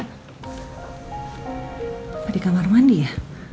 di kamar mandi ya